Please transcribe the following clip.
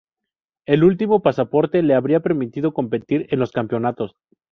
El último pasaporte le habría permitido competir en los campeonatos.